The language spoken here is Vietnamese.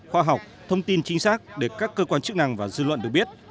khoa học thông tin chính xác để các cơ quan chức năng và dư luận được biết